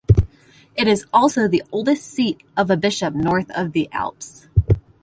It is also the oldest seat of a bishop north of the Alps.